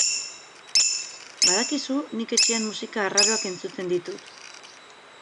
Badakizu, nik etxean musika arraroak entzuten ditut.